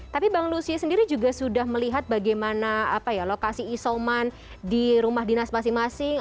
tapi bang lucia sendiri juga sudah melihat bagaimana lokasi isoman di rumah dinas masing masing